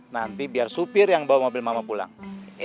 nanti biar supir yang bawa mobil mama pulang